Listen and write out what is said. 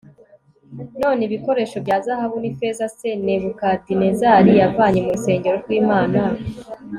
Nanone ibikoresho bya zahabu n ifeza c Nebukadinezarid yavanye mu rusengero rw Imana